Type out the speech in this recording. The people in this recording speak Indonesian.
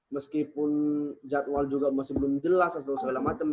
meskipun jadwal juga masih belum jelas dan segala macem